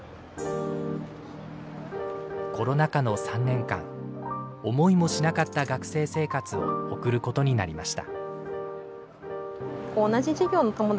コロナ禍の３年間思いもしなかった学生生活を送ることになりました。